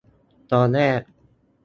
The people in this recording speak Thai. ตอนแรก